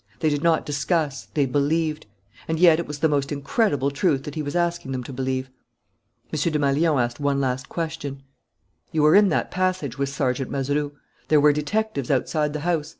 They did not discuss, they believed. And yet it was the most incredible truth that he was asking them to believe. M. Desmalions asked one last question. "You were in that passage with Sergeant Mazeroux. There were detectives outside the house.